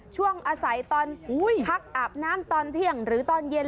ช่วงอาศัยตอนพักอาบน้ำตอนเที่ยงหรือตอนเย็น